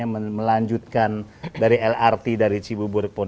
untuk apa namanya melanjutkan dari lrt dari cibuburik pondok tengah ini